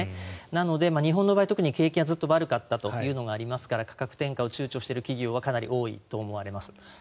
なので、日本の場合は特に景気がずっと悪かったというのがありますから価格転嫁を躊躇している企業はかなり多いと思われます。